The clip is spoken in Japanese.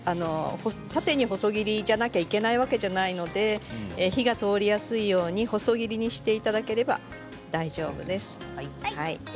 縦に細切りじゃなければいけないわけではないので火が通りやすいように細切りにしていただければ大丈夫です。